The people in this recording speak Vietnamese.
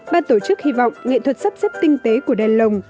ban tổ chức hy vọng nghệ thuật sắp xếp tinh tế của đèn lồng